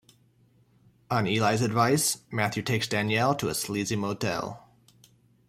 On Eli's advice, Matthew takes Danielle to a sleazy motel.